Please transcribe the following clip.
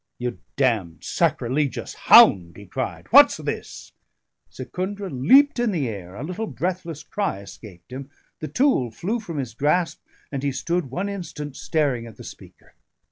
"You damned sacrilegious hound!" he cried. "What's this?" Secundra leaped in the air, a little breathless cry escaped him, the tool flew from his grasp, and he stood one instant staring at the speaker.